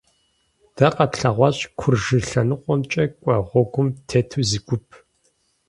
Дэ къэтлъэгъуащ Куржы лъэныкъуэмкӀэ кӀуэ гъуэгум тету зы гуп.